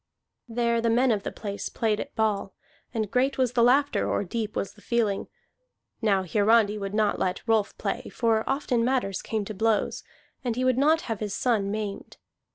There the men of the place played at ball, and great was the laughter or deep was the feeling. Now Hiarandi would not let Rolf play, for often matters came to blows, and he would not have his son maimed.